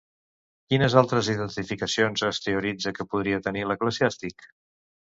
Quines altres identificacions es teoritza que podia tenir l'eclesiàstic?